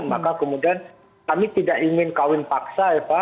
maka kemudian kami tidak ingin kawin paksa eva